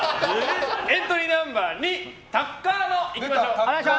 エントリーナンバー２タッカーノ、いきましょう。